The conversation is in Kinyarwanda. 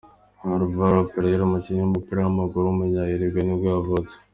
Álvaro Pereira, umukinnyi w’umupira w’amaguru w’umunya Uruguay nibwo yavutse.